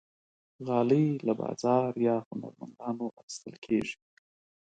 غالۍ له بازار یا هنرمندانو اخیستل کېږي.